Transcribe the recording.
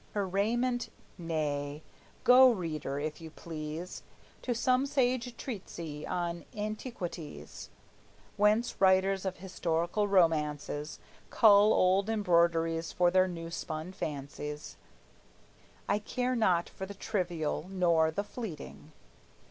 Her raiment, nay; go, reader, if you please, To some sage Treatise on Antiquities, Whence writers of historical romances Cull old embroideries for their new spun fancies; I care not for the trivial, nor the fleeting.